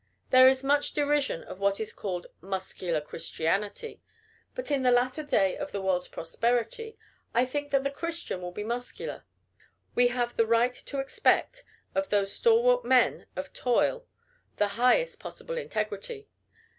There is much derision of what is called "muscular Christianity;" but in the latter day of the world's prosperity, I think that the Christian will be muscular. We have the right to expect of those stalwart men of toil the highest possible integrity.